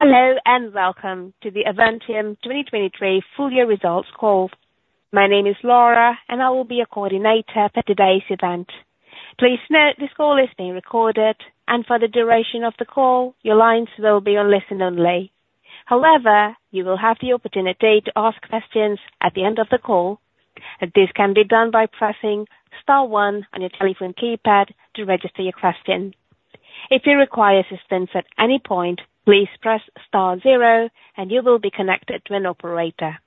Hello and welcome to the Avantium 2023 full-year results call. My name is Laura and I will be your coordinator for today's event. Please note this call is being recorded and for the duration of the call your lines will be on listen only. However, you will have the opportunity to ask questions at the end of the call and this can be done by pressing star 1 on your telephone keypad to register your question. If you require assistance at any point please press star 0 and you will be connected to an operator.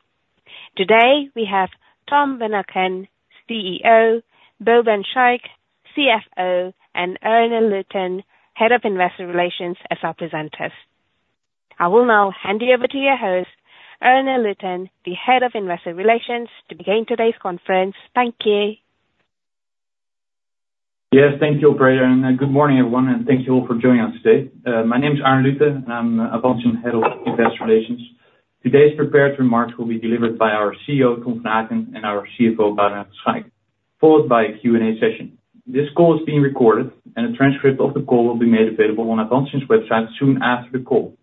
Today we have Tom van Aken, CEO, Boudewijn van Schaïk, CFO, and Aarne Luten, Head of Investor Relations, as our presenters. I will now hand you over to your host, Aarne Luten, the Head of Investor Relations, to begin today's conference. Thank you. Yes, thank you, Operator. Good morning everyone and thank you all for joining us today. My name's Aarne Luten and I'm Avantium Head of Investor Relations. Today's prepared remarks will be delivered by our CEO, Tom van Aken, and our CFO, Boudewijn van Schaïk, followed by a Q&A session. This call is being recorded and a transcript of the call will be made available on Avantium's website soon after the call.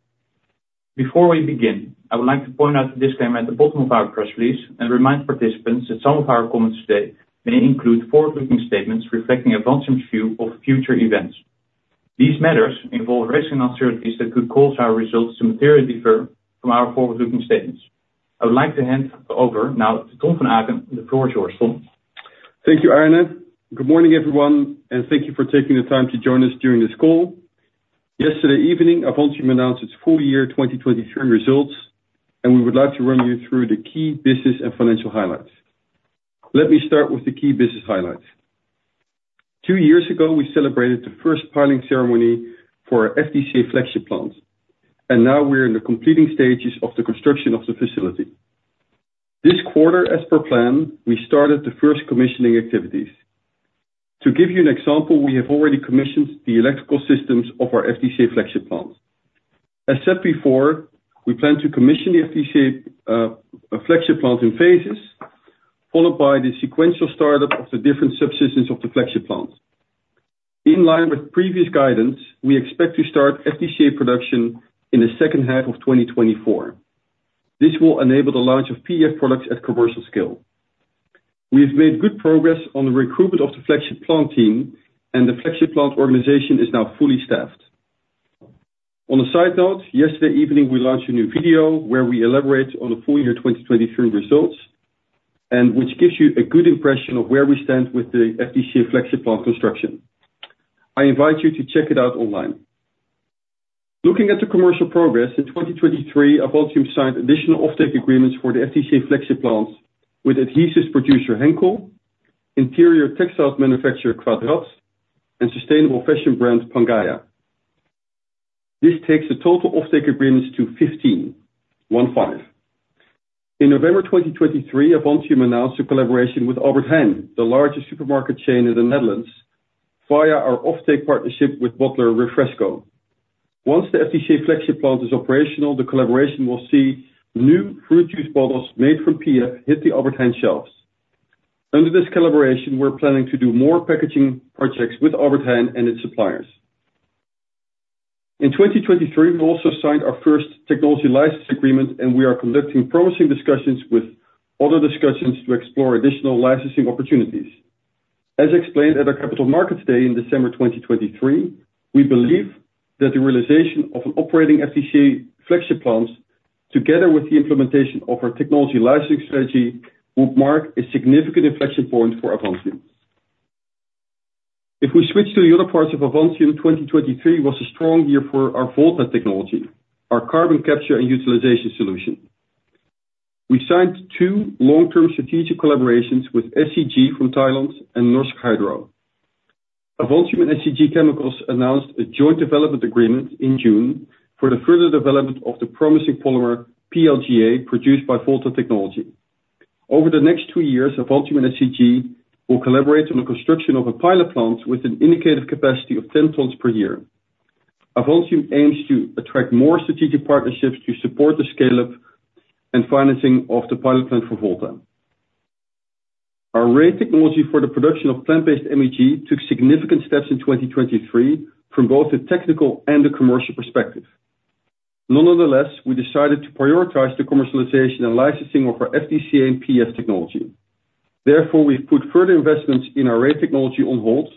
Before we begin, I would like to point out a disclaimer at the bottom of our press release and remind participants that some of our comments today may include forward-looking statements reflecting Avantium's view of future events. These matters involve risks and uncertainties that could cause our results to materially differ from our forward-looking statements. I would like to hand over now to Tom van Aken, the floor is yours, Tom. Thank you, Aarne. Good morning everyone and thank you for taking the time to join us during this call. Yesterday evening Avantium announced its full-year 2023 results and we would like to run you through the key business and financial highlights. Let me start with the key business highlights. Two years ago we celebrated the first piling ceremony for our FDCA Flagship Plant and now we're in the completion stages of the construction of the facility. This quarter, as per plan, we started the first commissioning activities. To give you an example, we have already commissioned the electrical systems of our FDCA Flagship Plant. As said before, we plan to commission the FDCA Flagship Plant in phases, followed by the sequential startup of the different subsystems of the Flagship Plant. In line with previous guidance, we expect to start FDCA production in the second half of 2024. This will enable the launch of PEF products at commercial scale. We have made good progress on the recruitment of the FDCA Flagship Plant team and the FDCA Flagship Plant organization is now fully staffed. On a side note, yesterday evening we launched a new video where we elaborate on the full-year 2023 results and which gives you a good impression of where we stand with the FDCA Flagship Plant construction. I invite you to check it out online. Looking at the commercial progress, in 2023 Avantium signed additional offtake agreements for the FDCA Flagship Plant with adhesives producer Henkel, interior textile manufacturer Kvadrat, and sustainable fashion brand PANGAIA. This takes the total offtake agreements to 15. In November 2023 Avantium announced a collaboration with Albert Heijn, the largest supermarket chain in the Netherlands, via our offtake partnership with Refresco. Once the FDCA Flagship Plant is operational, the collaboration will see new fruit juice bottles made from PEF hit the Albert Heijn shelves. Under this collaboration we're planning to do more packaging projects with Albert Heijn and its suppliers. In 2023 we also signed our first technology license agreement and we are conducting promising discussions with other to explore additional licensing opportunities. As explained at our Capital Markets Day in December 2023, we believe that the realization of an operating FDCA Flagship Plant together with the implementation of our technology licensing strategy will mark a significant inflection point for Avantium. If we switch to the other parts of Avantium, 2023 was a strong year for our Volta Technology, our carbon capture and utilization solution. We signed two long-term strategic collaborations with SCG from Thailand and Norsk Hydro. Avantium and SCG Chemicals announced a joint development agreement in June for the further development of the promising polymer PLGA produced by Volta Technology. Over the next two years Avantium and SCG will collaborate on the construction of a pilot plant with an indicative capacity of 10 tons per year. Avantium aims to attract more strategic partnerships to support the scale-up and financing of the pilot plant for Volta. Our Ray Technology for the production of plant-based MEG took significant steps in 2023 from both the technical and the commercial perspective. Nonetheless, we decided to prioritize the commercialization and licensing of our FDCA and PEF technology. Therefore we've put further investments in our Ray Technology on hold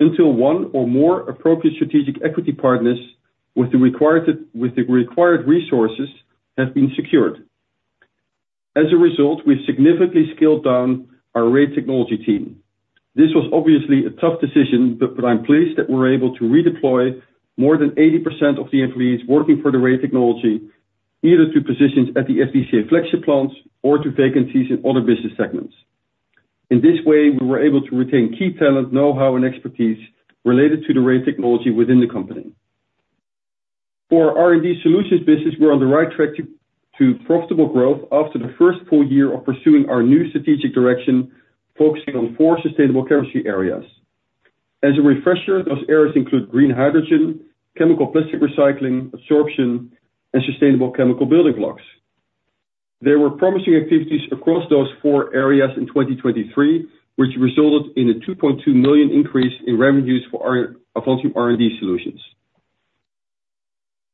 until one or more appropriate strategic equity partners with the required resources have been secured. As a result, we've significantly scaled down our Ray Technology team. This was obviously a tough decision but I'm pleased that we're able to redeploy more than 80% of the employees working for the Ray Technology either to positions at the FDCA Flagship Plant or to vacancies in other business segments. In this way we were able to retain key talent, know-how, and expertise related to the Ray Technology within the company. For our R&D Solutions business we're on the right track to profitable growth after the first full year of pursuing our new strategic direction focusing on four sustainable chemistry areas. As a refresher, those areas include green hydrogen, chemical plastic recycling, absorption, and sustainable chemical building blocks. There were promising activities across those four areas in 2023 which resulted in a 2.2 million increase in revenues for our Avantium R&D Solutions.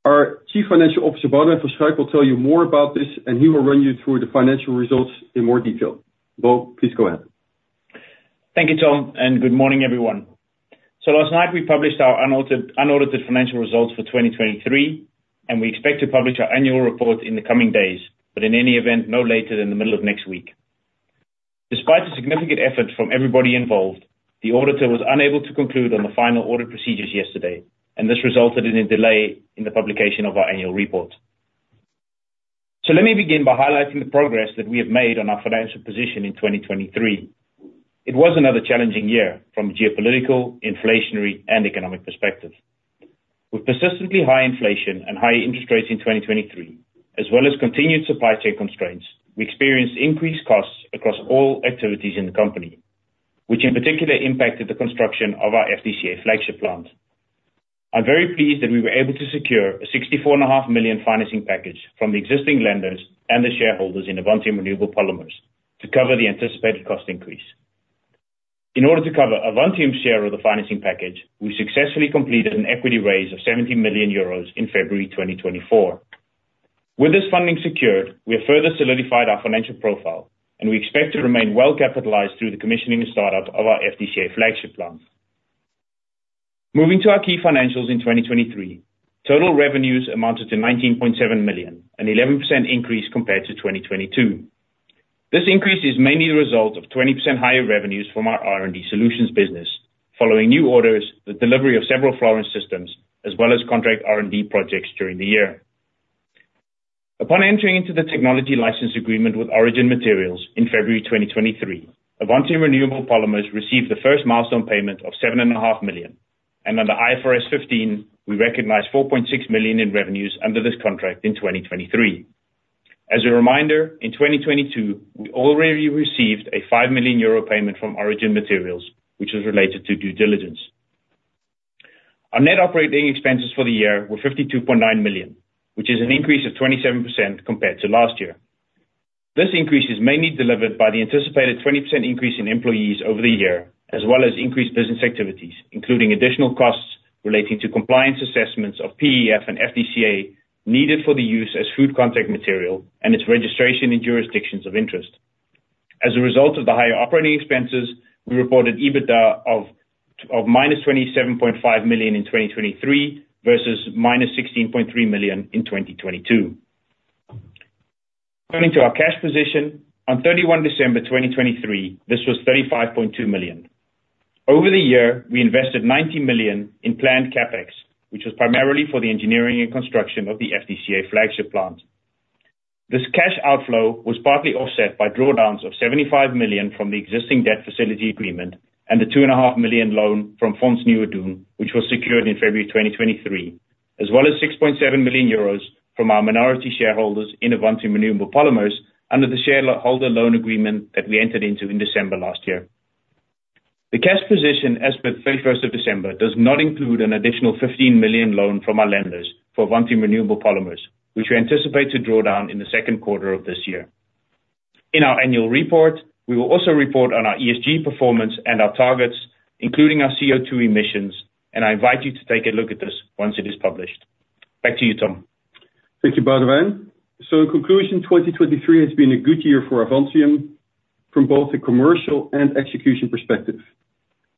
Our Chief Financial Officer, Boudewijn van Schaïk, will tell you more about this and he will run you through the financial results in more detail. Bob, please go ahead. Thank you, Tom, and good morning everyone. So last night we published our unaudited financial results for 2023 and we expect to publish our annual report in the coming days but in any event no later than the middle of next week. Despite the significant effort from everybody involved, the auditor was unable to conclude on the final audit procedures yesterday and this resulted in a delay in the publication of our annual report. So let me begin by highlighting the progress that we have made on our financial position in 2023. It was another challenging year from a geopolitical, inflationary, and economic perspective. With persistently high inflation and high interest rates in 2023 as well as continued supply chain constraints, we experienced increased costs across all activities in the company which in particular impacted the construction of our FDCA Flagship Plant. I'm very pleased that we were able to secure a 64.5 million financing package from the existing lenders and the shareholders in Avantium Renewable Polymers to cover the anticipated cost increase. In order to cover Avantium's share of the financing package, we successfully completed an equity raise of 70 million euros in February 2024. With this funding secured, we have further solidified our financial profile and we expect to remain well capitalized through the commissioning and startup of our FDCA Flagship Plant. Moving to our key financials in 2023, total revenues amounted to 19.7 million, an 11% increase compared to 2022. This increase is mainly the result of 20% higher revenues from our R&D Solutions business following new orders, the delivery of several flooring systems, as well as contract R&D projects during the year. Upon entering into the technology license agreement with Origin Materials in February 2023, Avantium Renewable Polymers received the first milestone payment of 7.5 million and under IFRS 15 we recognize 4.6 million in revenues under this contract in 2023. As a reminder, in 2022 we already received a 5 million euro payment from Origin Materials which was related to due diligence. Our net operating expenses for the year were 52.9 million which is an increase of 27% compared to last year. This increase is mainly delivered by the anticipated 20% increase in employees over the year as well as increased business activities including additional costs relating to compliance assessments of PEF and FDCA needed for the use as food contact material and its registration in jurisdictions of interest. As a result of the higher operating expenses, we reported EBITDA of -27.5 million in 2023 versus -16.3 million in 2022. Turning to our cash position, on 31 December 2023 this was 35.2 million. Over the year we invested 90 million in planned CapEx which was primarily for the engineering and construction of the FDCA Flagship Plant. This cash outflow was partly offset by drawdowns of 75 million from the existing debt facility agreement and the 2.5 million loan from Fonds Nieuwe Doen which was secured in February 2023 as well as 6.7 million euros from our minority shareholders in Avantium Renewable Polymers under the shareholder loan agreement that we entered into in December last year. The cash position as per 31st of December does not include an additional 15 million loan from our lenders for Avantium Renewable Polymers which we anticipate to draw down in the second quarter of this year. In our annual report we will also report on our ESG performance and our targets including our CO2 emissions and I invite you to take a look at this once it is published. Back to you, Tom. Thank you, Boudewijn. In conclusion, 2023 has been a good year for Avantium from both a commercial and execution perspective.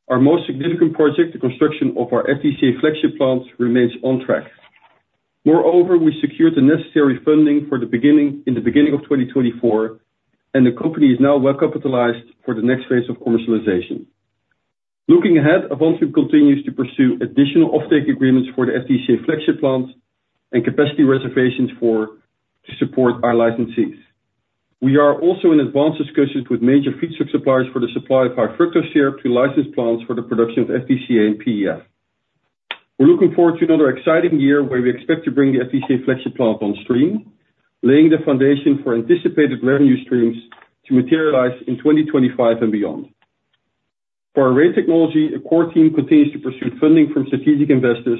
Our most significant project, the construction of our FDCA Flagship Plant, remains on track. Moreover, we secured the necessary funding for the beginning of 2024 and the company is now well capitalized for the next phase of commercialization. Looking ahead, Avantium continues to pursue additional offtake agreements for the FDCA Flagship Plant and capacity reservations to support our licensees. We are also in advanced discussions with major feedstock suppliers for the supply of high fructose syrup to license plants for the production of FDCA and PEF. We're looking forward to another exciting year where we expect to bring the FDCA Flagship Plant on stream, laying the foundation for anticipated revenue streams to materialize in 2025 and beyond. For our Ray Technology, a core team continues to pursue funding from strategic investors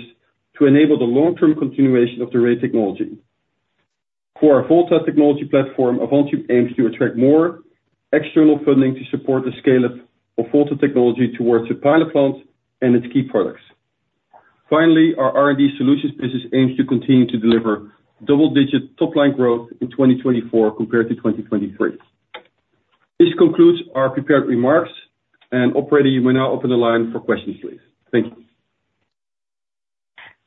to enable the long-term continuation of the Ray Technology. For our Volta Technology platform, Avantium aims to attract more external funding to support the scale-up of Volta Technology towards the pilot plant and its key products. Finally, our R&D Solutions business aims to continue to deliver double-digit top-line growth in 2024 compared to 2023. This concludes our prepared remarks, and operator, you may now open the line for questions, please. Thank you.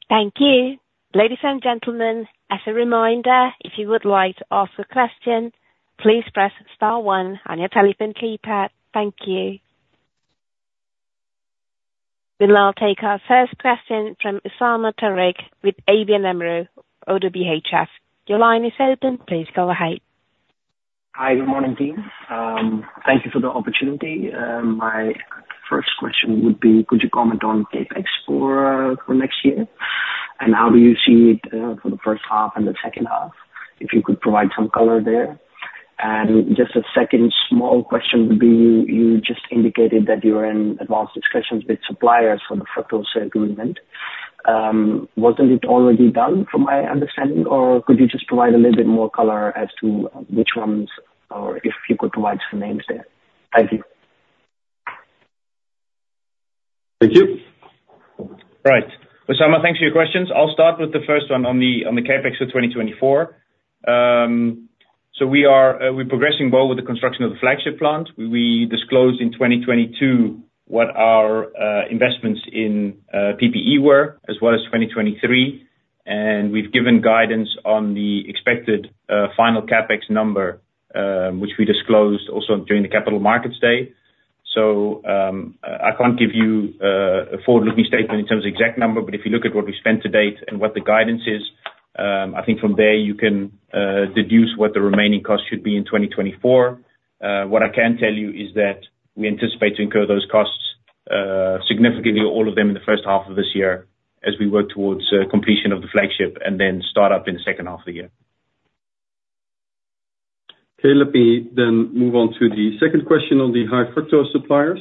Thank you. Ladies and gentlemen, as a reminder, if you would like to ask a question, please press star one on your telephone keypad. Thank you. We'll now take our first question from Usama Tariq with ABN AMRO, ODDO BHF. Your line is open. Please go ahead. Hi, good morning, team. Thank you for the opportunity. My first question would be, could you comment on CapEx for next year and how do you see it for the first half and the second half, if you could provide some color there? Just a second small question would be, you just indicated that you're in advanced discussions with suppliers for the fructose syrup agreement. Wasn't it already done from my understanding or could you just provide a little bit more color as to which ones or if you could provide some names there? Thank you. Thank you. All right. Usama, thanks for your questions. I'll start with the first one on the CapEx for 2024. So we're progressing, Bob, with the construction of the FDCA Flagship Plant. We disclosed in 2022 what our investments in PPE were as well as 2023 and we've given guidance on the expected final CapEx number which we disclosed also during the Capital Markets Day. So I can't give you a forward-looking statement in terms of exact number but if you look at what we spent to date and what the guidance is, I think from there you can deduce what the remaining cost should be in 2024. What I can tell you is that we anticipate to incur those costs significantly, all of them, in the first half of this year as we work towards completion of the FDCA Flagship Plant and then startup in the second half of the year. Okay. Let me then move on to the second question on the high fructose suppliers.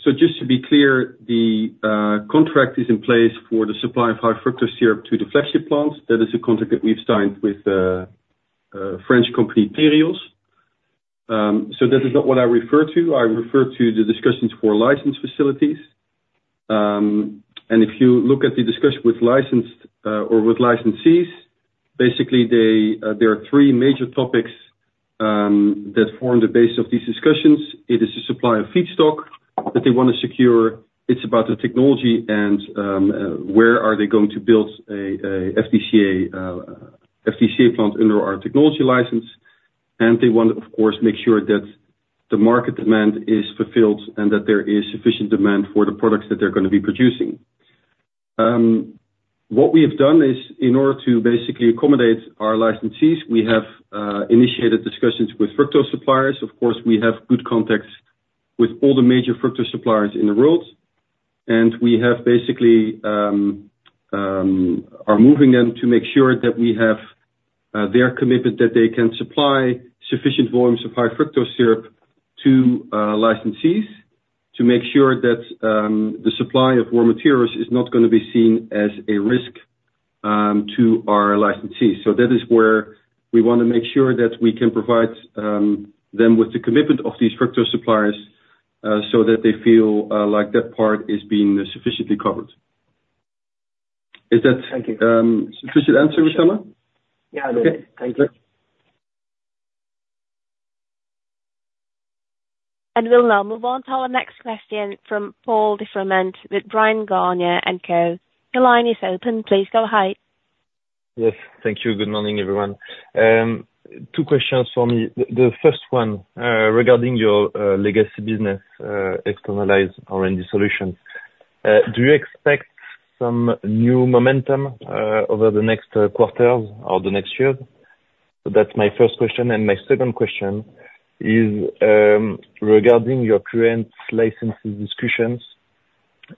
So just to be clear, the contract is in place for the supply of high fructose syrup to the FDCA Flagship Plant. That is a contract that we've signed with a French company, Tereos. So that is not what I refer to. I refer to the discussions for licensed facilities. And if you look at the discussion with licensed or with licensees, basically there are three major topics that form the base of these discussions. It is the supply of feedstock that they want to secure. It's about the technology and where are they going to build a FDCA plant under our technology license. And they want to, of course, make sure that the market demand is fulfilled and that there is sufficient demand for the products that they're going to be producing. What we have done is, in order to basically accommodate our licensees, we have initiated discussions with fructose suppliers. Of course, we have good contacts with all the major fructose suppliers in the world and we have basically are moving them to make sure that we have their commitment that they can supply sufficient volumes of high fructose syrup to licensees to make sure that the supply of raw materials is not going to be seen as a risk to our licensees. So that is where we want to make sure that we can provide them with the commitment of these fructose suppliers so that they feel like that part is being sufficiently covered. Is that. Thank you. Sufficient answer, Usama? Yeah. Thank you. We'll now move on to our next question from Paul de Froment with Bryan, Garnier & Co. Your line is open. Please go ahead. Yes. Thank you. Good morning, everyone. 2 questions for me. The first one regarding your legacy business, externalized R&D Solutions. Do you expect some new momentum over the next quarters or the next year? So that's my first question. And my second question is regarding your current licensing discussions,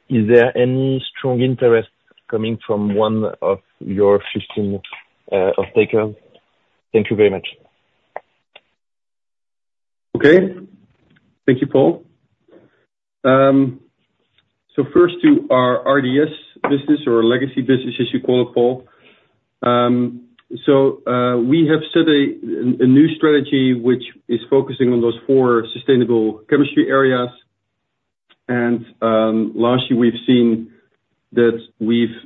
is there any strong interest coming from one of your 15 offtakers? Thank you very much. Okay. Thank you, Paul. So first to our RDS business or legacy business, as you call it, Paul. So we have set a new strategy which is focusing on those four sustainable chemistry areas. Last year we've seen that we've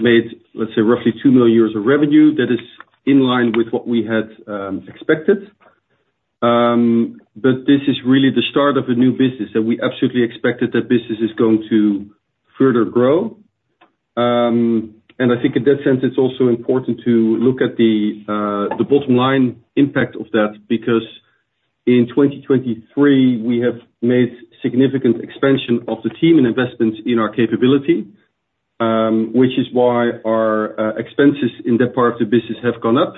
made, let's say, roughly 2 million euros of revenue. That is in line with what we had expected. But this is really the start of a new business that we absolutely expected that business is going to further grow. I think in that sense it's also important to look at the bottom line impact of that because in 2023 we have made significant expansion of the team and investments in our capability which is why our expenses in that part of the business have gone up.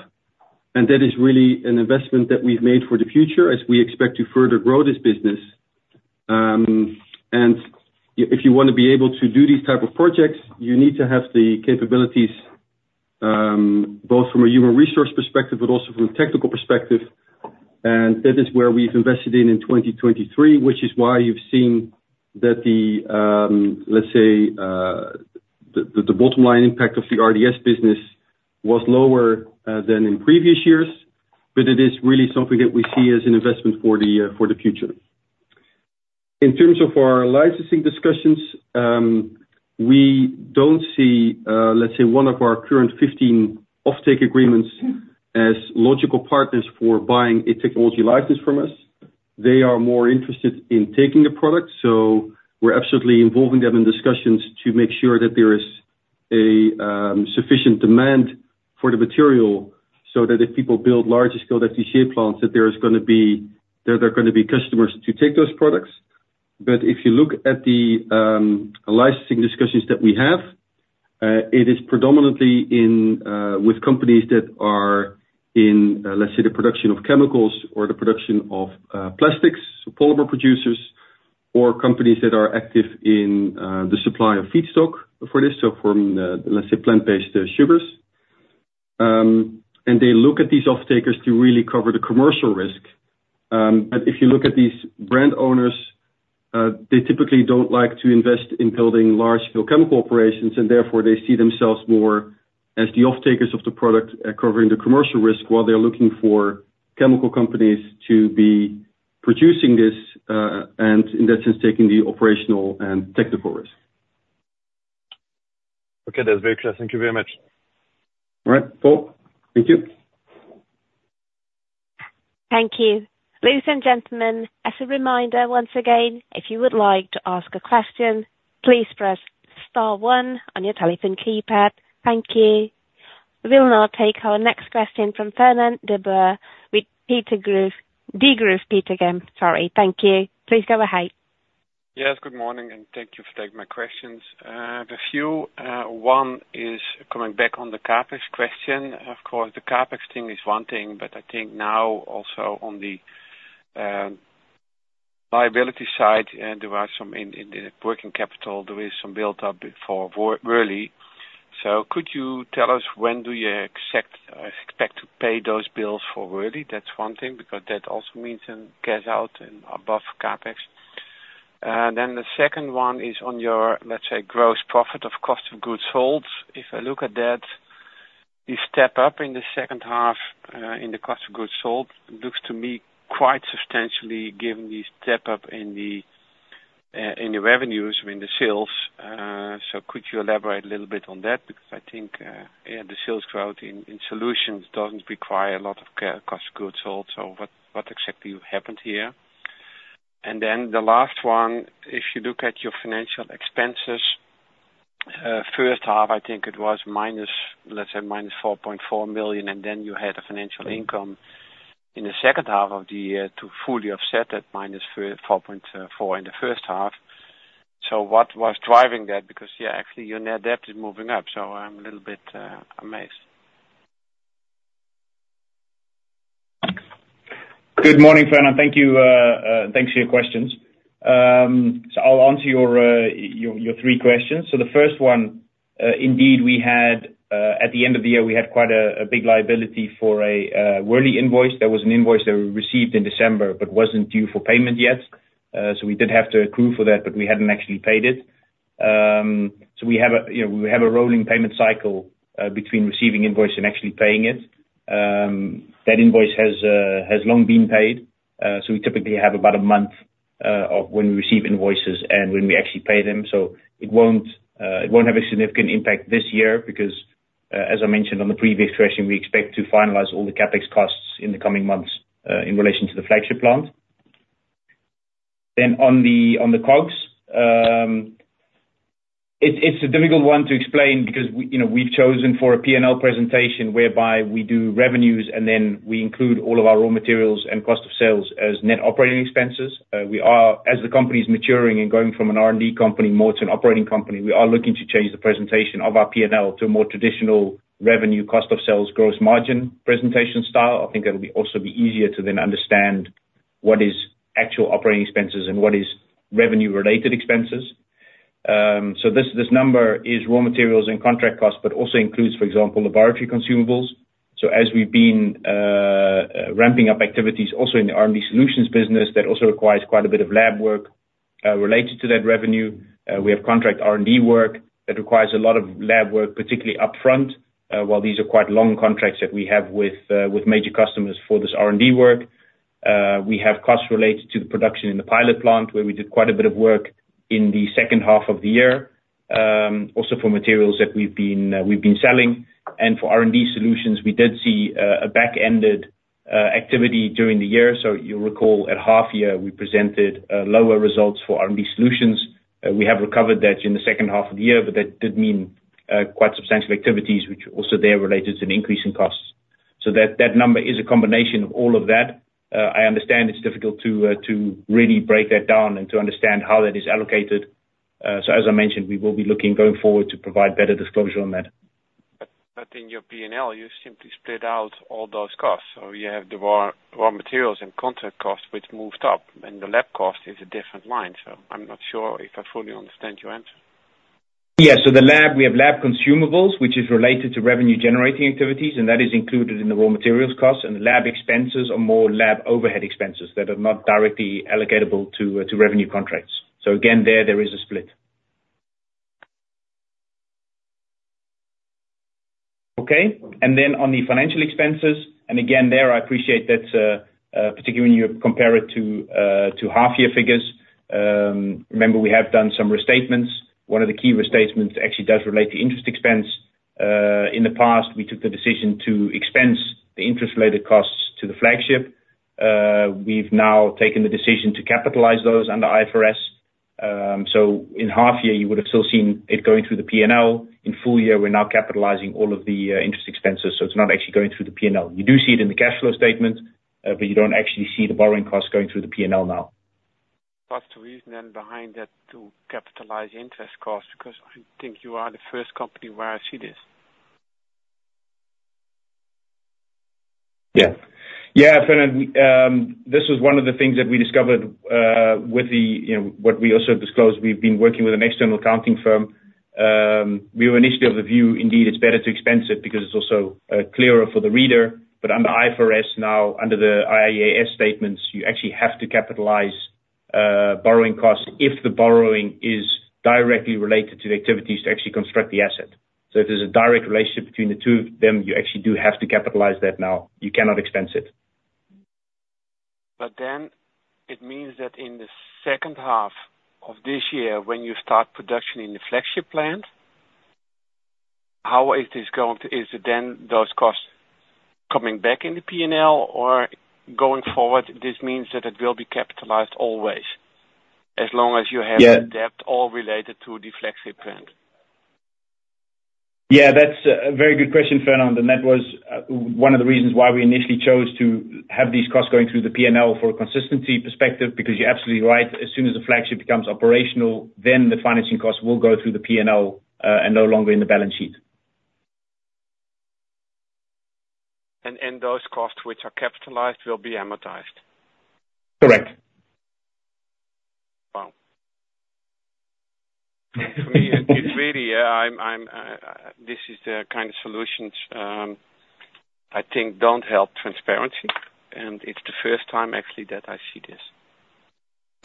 That is really an investment that we've made for the future as we expect to further grow this business. And if you want to be able to do these type of projects, you need to have the capabilities both from a human resource perspective but also from a technical perspective. And that is where we've invested in in 2023 which is why you've seen that the, let's say, the bottom line impact of the RDS business was lower than in previous years but it is really something that we see as an investment for the future. In terms of our licensing discussions, we don't see, let's say, one of our current 15 offtake agreements as logical partners for buying a technology license from us. They are more interested in taking the product, so we're absolutely involving them in discussions to make sure that there is a sufficient demand for the material so that if people build large-scale FDCA plants, there are going to be customers to take those products. But if you look at the licensing discussions that we have, it is predominantly with companies that are in, let's say, the production of chemicals or the production of plastics, so polymer producers, or companies that are active in the supply of feedstock for this, so from, let's say, plant-based sugars. They look at these offtakers to really cover the commercial risk. But if you look at these brand owners, they typically don't like to invest in building large-scale chemical operations and therefore they see themselves more as the offtakers of the product covering the commercial risk while they're looking for chemical companies to be producing this and in that sense taking the operational and technical risk. Okay. That's very clear. Thank you very much. All right, Paul. Thank you. Thank you. Ladies and gentlemen, as a reminder once again, if you would like to ask a question, please press star one on your telephone keypad. Thank you. We'll now take our next question from Fernand de Boer. Degroof Petercam again. Sorry. Thank you. Please go ahead. Yes. Good morning and thank you for taking my questions. A few. One is coming back on the CapEx question. Of course, the CapEx thing is one thing but I think now also on the liability side, there are some in the working capital, there is some buildup for Worley. So could you tell us when do you expect to pay those bills for Worley? That's one thing because that also means cash out above CapEx. And then the second one is on your, let's say, gross profit of cost of goods sold. If I look at that, the step up in the second half in the cost of goods sold looks to me quite substantially given the step up in the revenues or in the sales. So could you elaborate a little bit on that because I think the sales growth in solutions doesn't require a lot of cost of goods sold. So what exactly happened here? And then the last one, if you look at your financial expenses, first half I think it was minus, let's say, -4.4 million and then you had a financial income in the second half of the year to fully offset that -4.4 million in the first half. So what was driving that because, yeah, actually your net debt is moving up so I'm a little bit amazed. Good morning, Fernand. Thank you. Thanks for your questions. So I'll answer your three questions. So the first one, indeed we had at the end of the year we had quite a big liability for a Worley invoice. There was an invoice that we received in December but wasn't due for payment yet. So we did have to accrue for that but we hadn't actually paid it. So we have a rolling payment cycle between receiving invoice and actually paying it. That invoice has long been paid so we typically have about a month of when we receive invoices and when we actually pay them. So it won't have a significant impact this year because, as I mentioned on the previous question, we expect to finalize all the CapEx costs in the coming months in relation to the Flagship Plant. Then on the COGS, it's a difficult one to explain because we've chosen for a P&L presentation whereby we do revenues and then we include all of our raw materials and cost of sales as net operating expenses. As the company's maturing and going from an R&D company more to an operating company, we are looking to change the presentation of our P&L to a more traditional revenue, cost of sales, gross margin presentation style. I think it'll also be easier to then understand what is actual operating expenses and what is revenue-related expenses. So this number is raw materials and contract costs but also includes, for example, laboratory consumables. As we've been ramping up activities also in the R&D Solutions business that also requires quite a bit of lab work related to that revenue, we have contract R&D work that requires a lot of lab work particularly upfront while these are quite long contracts that we have with major customers for this R&D work. We have costs related to the production in the pilot plant where we did quite a bit of work in the second half of the year also for materials that we've been selling. For R&D Solutions, we did see a back-ended activity during the year. So you'll recall at half year we presented lower results for R&D Solutions. We have recovered that in the second half of the year but that did mean quite substantial activities which also were related to an increase in costs. So that number is a combination of all of that. I understand it's difficult to really break that down and to understand how that is allocated. So as I mentioned, we will be looking going forward to provide better disclosure on that. In your P&L you simply split out all those costs. You have the raw materials and contract costs which moved up and the lab cost is a different line. I'm not sure if I fully understand your answer. Yes. So we have lab consumables which is related to revenue-generating activities and that is included in the raw materials costs. And the lab expenses are more lab overhead expenses that are not directly allocatable to revenue contracts. So again, there is a split. Okay. And then on the financial expenses, and again there I appreciate that particularly when you compare it to half-year figures. Remember we have done some restatements. One of the key restatements actually does relate to interest expense. In the past, we took the decision to expense the interest-related costs to the flagship. We've now taken the decision to capitalize those under IFRS. So in half year you would have still seen it going through the P&L. In full year we're now capitalizing all of the interest expenses so it's not actually going through the P&L. You do see it in the cash flow statement but you don't actually see the borrowing costs going through the P&L now. What's the reason then behind that to capitalize interest costs because I think you are the first company where I see this? Yeah. Yeah, Fernand. This was one of the things that we discovered with what we also disclosed. We've been working with an external accounting firm. We were initially of the view, indeed, it's better to expense it because it's also clearer for the reader. But under IFRS now, under the IAS statements, you actually have to capitalize borrowing costs if the borrowing is directly related to the activities to actually construct the asset. So if there's a direct relationship between the two of them, you actually do have to capitalize that now. You cannot expense it. But then it means that in the second half of this year when you start production in the Flagship Plant, how is this going to is it then those costs coming back in the P&L or going forward this means that it will be capitalized always as long as you have the debt all related to the Flagship Plant? Yeah. That's a very good question, Fernand. That was one of the reasons why we initially chose to have these costs going through the P&L for a consistency perspective because you're absolutely right. As soon as the flagship becomes operational, then the financing costs will go through the P&L and no longer in the balance sheet. Those costs which are capitalized will be amortized? Correct. Wow. For me, it's really this is the kind of solutions I think don't help transparency, and it's the first time actually that I see this.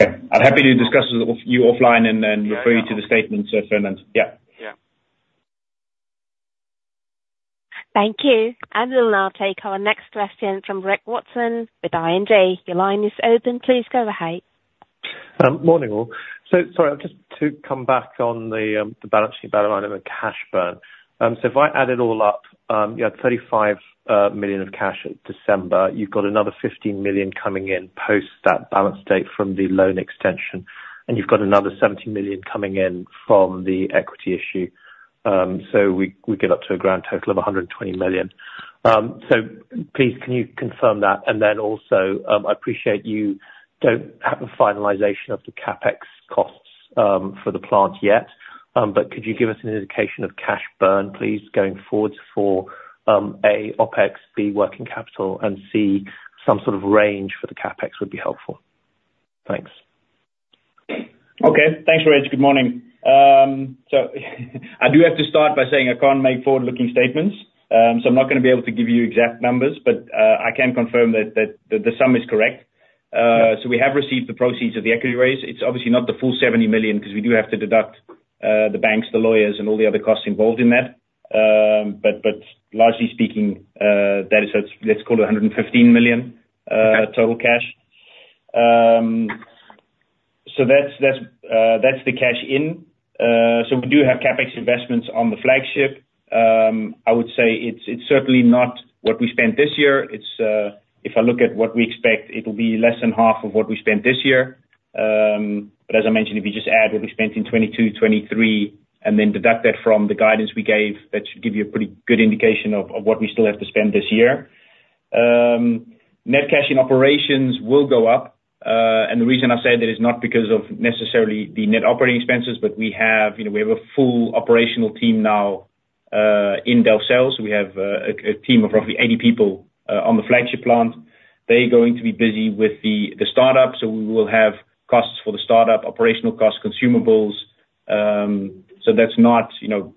Okay. I'm happy to discuss with you offline and then refer you to the statements, Fernand. Yeah. Yeah. Thank you. We'll now take our next question from Reg Watson with ING. Your line is open. Please go ahead. Morning, all. So sorry. Just to come back on the balance sheet bottom line of the cash burn. So if I add it all up, you had 35 million of cash in December. You've got another 15 million coming in post that balance date from the loan extension and you've got another 70 million coming in from the equity issue. So we get up to a grand total of 120 million. So please, can you confirm that? And then also I appreciate you don't have a finalization of the CapEx costs for the plant yet but could you give us an indication of cash burn, please, going forward for, A, OpEx, B, working capital, and C, some sort of range for the CapEx would be helpful. Thanks. Okay. Thanks, Reg. Good morning. I do have to start by saying I can't make forward-looking statements so I'm not going to be able to give you exact numbers but I can confirm that the sum is correct. We have received the proceeds of the equity raise. It's obviously not the full 70 million because we do have to deduct the banks, the lawyers, and all the other costs involved in that. But largely speaking, that is, let's call it, 115 million total cash. That's the cash in. We do have CapEx investments on the flagship. I would say it's certainly not what we spent this year. If I look at what we expect, it'll be less than half of what we spent this year. But as I mentioned, if you just add what we spent in 2022, 2023, and then deduct that from the guidance we gave, that should give you a pretty good indication of what we still have to spend this year. Net cash in operations will go up. And the reason I say that is not because of necessarily the net operating expenses but we have a full operational team now in Delfzijl. So we have a team of roughly 80 people on the flagship plant. They're going to be busy with the startup so we will have costs for the startup, operational costs, consumables. So that's not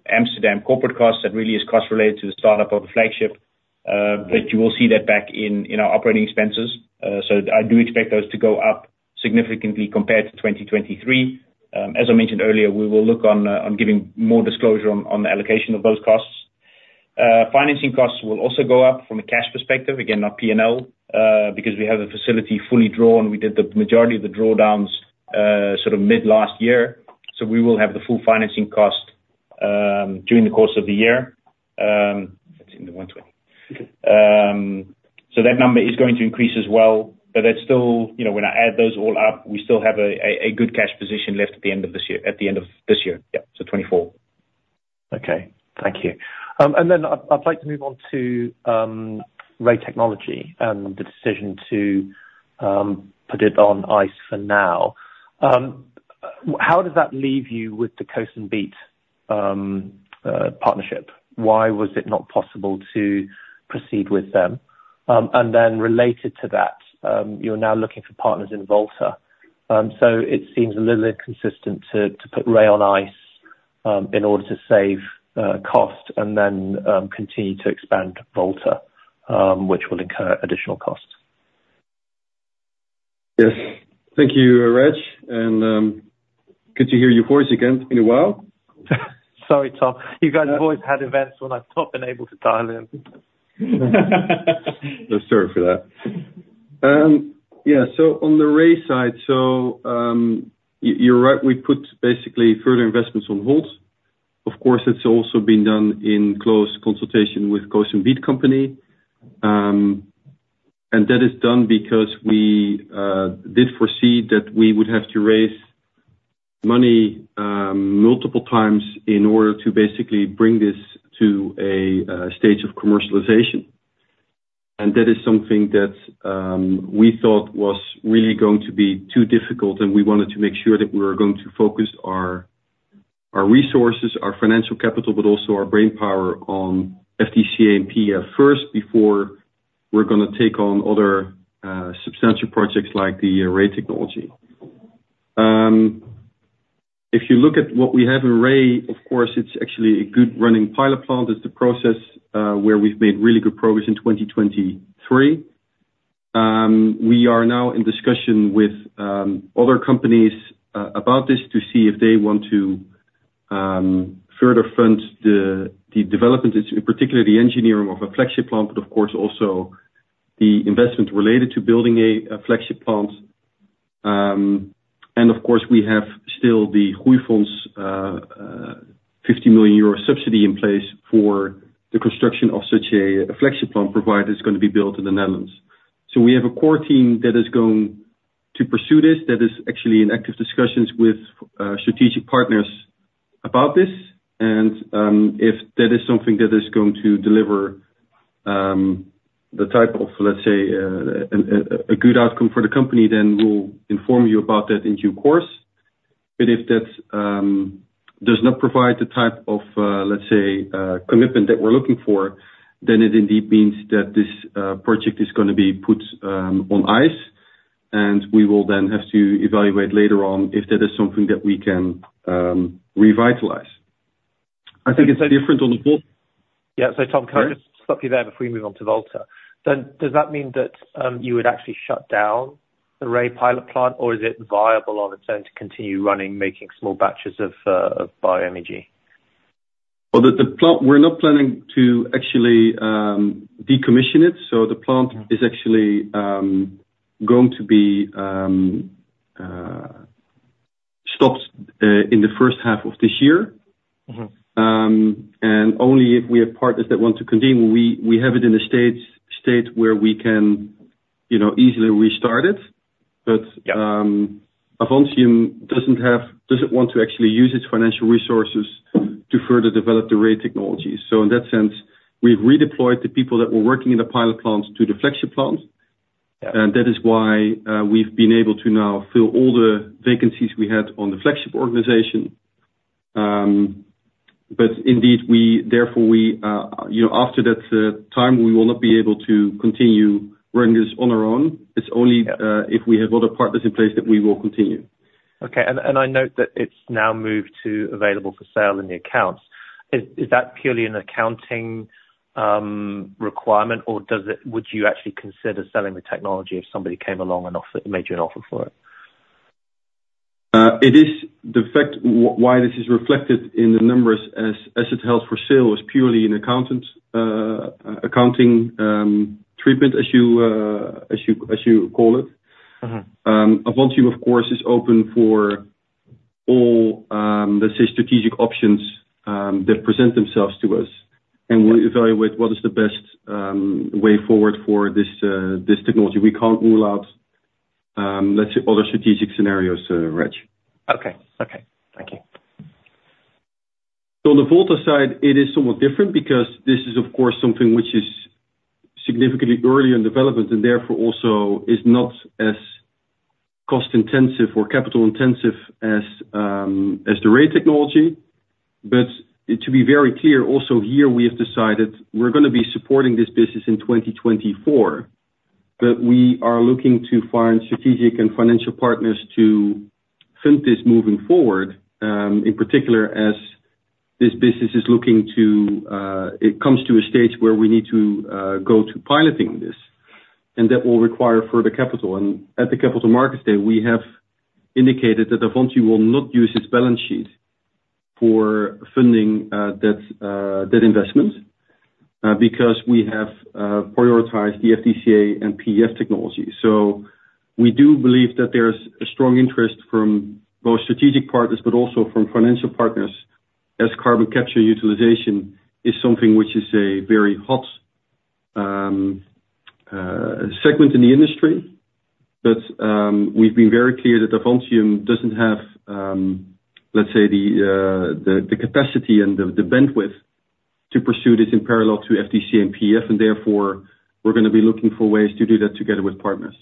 Amsterdam corporate costs. That really is cost-related to the startup of the flagship but you will see that back in our operating expenses. So I do expect those to go up significantly compared to 2023. As I mentioned earlier, we will look into giving more disclosure on the allocation of those costs. Financing costs will also go up from a cash perspective. Again, not P&L because we have a facility fully drawn. We did the majority of the drawdowns sort of mid-last year so we will have the full financing cost during the course of the year. It's 120. So that number is going to increase as well but that's still when I add those all up, we still have a good cash position left at the end of this year. At the end of this year. Yeah. So 2024. Okay. Thank you. Then I'd like to move on to Ray Technology and the decision to put it on ice for now. How does that leave you with the Cosun Beet Company partnership? Why was it not possible to proceed with them? And then related to that, you're now looking for partners in Volta Technology. So it seems a little inconsistent to put Ray on ice in order to save costs and then continue to expand Volta which will incur additional costs. Yes. Thank you, Reg. Good to hear your voice again in a while. Sorry, Tom. You guys have always had events when I've not been able to dial in. No, sorry for that. Yeah. So on the Ray side, so you're right. We put basically further investments on hold. Of course, it's also been done in close consultation with Cosun Beet Company. And that is done because we did foresee that we would have to raise money multiple times in order to basically bring this to a stage of commercialization. And that is something that we thought was really going to be too difficult, and we wanted to make sure that we were going to focus our resources, our financial capital, but also our brainpower on FDCA and PEF first before we're going to take on other substantial projects like the Ray Technology. If you look at what we have in Ray, of course, it's actually a good running pilot plant. It's the process where we've made really good progress in 2023. We are now in discussion with other companies about this to see if they want to further fund the development, particularly the engineering of a Flagship Plant but of course also the investment related to building a Flagship Plant. And of course, we have still the Groeifonds 50 million euro subsidy in place for the construction of such a Flagship Plant provided it's going to be built in the Netherlands. So we have a core team that is going to pursue this. That is actually in active discussions with strategic partners about this. And if that is something that is going to deliver the type of, let's say, a good outcome for the company, then we'll inform you about that in due course. But if that does not provide the type of, let's say, commitment that we're looking for, then it indeed means that this project is going to be put on ice and we will then have to evaluate later on if that is something that we can revitalize. I think it's different on the both. Yeah. So Tom, can I just stop you there before we move on to Volta? Does that mean that you would actually shut down the Ray pilot plant or is it viable on its own to continue running, making small batches of bioenergy? Well, we're not planning to actually decommission it. So the plant is actually going to be stopped in the first half of this year. And only if we have partners that want to continue. We have it in a state where we can easily restart it but Avantium doesn't want to actually use its financial resources to further develop the Ray Technology. So in that sense, we've redeployed the people that were working in the pilot plants to the FDCA Flagship Plant and that is why we've been able to now fill all the vacancies we had on the FDCA Flagship organization. But indeed, therefore, after that time, we will not be able to continue running this on our own. It's only if we have other partners in place that we will continue. Okay. I note that it's now moved to available for sale in the accounts. Is that purely an accounting requirement or would you actually consider selling the technology if somebody came along and made you an offer for it? It is the fact why this is reflected in the numbers as it held for sale was purely an accounting treatment, as you call it. Avantium, of course, is open for all, let's say, strategic options that present themselves to us and we'll evaluate what is the best way forward for this technology. We can't rule out, let's say, other strategic scenarios, Reg. Okay. Okay. Thank you. So on the Volta side, it is somewhat different because this is, of course, something which is significantly early in development and therefore also is not as cost-intensive or capital-intensive as the Ray Technology. But to be very clear, also here we have decided we're going to be supporting this business in 2024 but we are looking to find strategic and financial partners to fund this moving forward, in particular as this business is looking to it comes to a stage where we need to go to piloting this and that will require further capital. And at the capital markets day, we have indicated that Avantium will not use its balance sheet for funding that investment because we have prioritized the FDCA and PEF Technologies. So we do believe that there's a strong interest from both strategic partners but also from financial partners as carbon capture utilization is something which is a very hot segment in the industry. But we've been very clear that Avantium doesn't have, let's say, the capacity and the bandwidth to pursue this in parallel to FDCA and PEF and therefore we're going to be looking for ways to do that together with partners.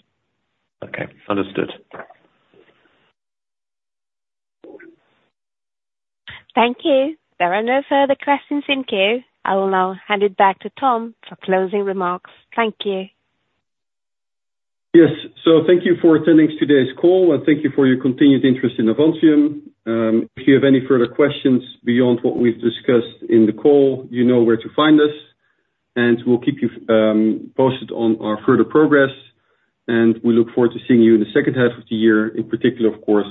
Okay. Understood. Thank you. There are no further questions in queue. I will now hand it back to Tom for closing remarks. Thank you. Yes. So thank you for attending today's call and thank you for your continued interest in Avantium. If you have any further questions beyond what we've discussed in the call, you know where to find us and we'll keep you posted on our further progress. And we look forward to seeing you in the second half of the year, in particular, of course,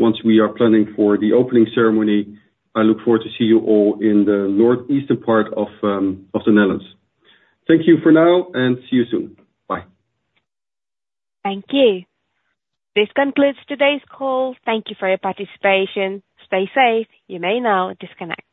once we are planning for the opening ceremony. I look forward to seeing you all in the northeastern part of the Netherlands. Thank you for now and see you soon. Bye. Thank you. This concludes today's call. Thank you for your participation. Stay safe. You may now disconnect.